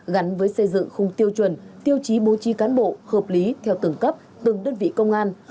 gắn với xây dựng khung tiêu chuẩn tiêu chí bố trí cán bộ hợp lý theo từng cấp từng đơn vị công an